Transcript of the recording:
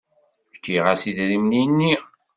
Fkiɣ-as idrimen-nni.